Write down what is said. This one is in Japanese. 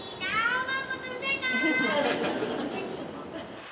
おまんま食べたいな。